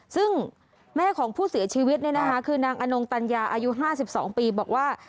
ซึ่งแม่ของผู้เสียชีวิตเนี่ยนะคะคือนางอนงตัญญาอายุ๕๒ปีบอกว่า